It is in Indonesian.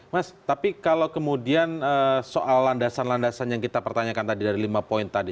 mas tapi kalau kemudian soal landasan landasan yang kita pertanyakan tadi dari lima poin tadi